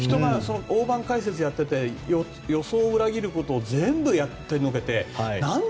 大盤解説をやっていて予想を裏切ることを全部やってのけて何だ？